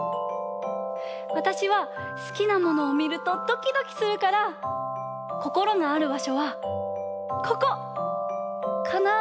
わたしは好きなものをみるとドキドキするからこころのあるばしょはここ！かなぁ？